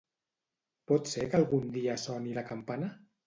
Pot ser que algun dia soni la campana?